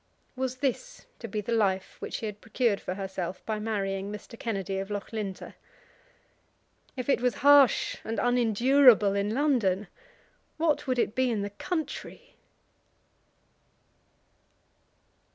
Was this to be the life which she had procured for herself by marrying Mr. Kennedy of Loughlinter? If it was harsh and unendurable in London, what would it be in the country?